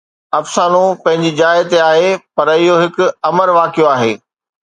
افسانو پنهنجي جاءِ تي آهي، پر اهو هڪ امر واقعو آهي